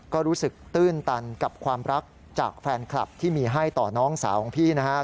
ก็รู้สึกตื้นตันกับความรักจากแฟนคลับที่มีให้ต่อน้องสาวของพี่นะครับ